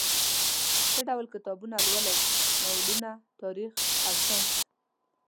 څه ډول کتابونه لولئ؟ ناولونه، تاریخ او ساینس